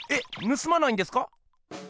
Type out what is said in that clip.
ぬすまないんですか？